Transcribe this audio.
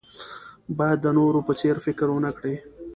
باید د نورو په څېر فکر ونه کړئ.